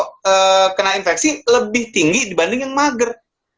karena dia kena infeksi lebih tinggi dibanding yang mager